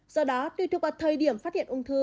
do đó tùy thuộc vào thời điểm phát hiện ung thư